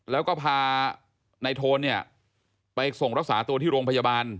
แล้วก็พานายโทนเนี่ยไปส่งรักษาตัวที่โรงพยาบาล